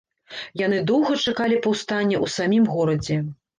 Яны доўга чакалі паўстання ў самім горадзе.